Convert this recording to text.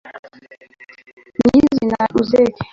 n'izo pinari uziteke